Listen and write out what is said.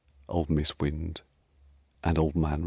Old Mis' Wind and Old Man Rain.